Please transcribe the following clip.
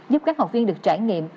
giúp các học viên được trải nghiệm